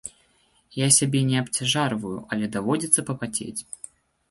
Я сябе не абцяжарваю, але даводзіцца папацець.